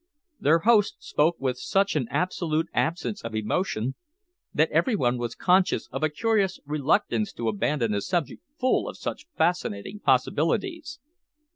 Their host spoke with such an absolute absence of emotion that every one was conscious of a curious reluctance to abandon a subject full of such fascinating possibilities.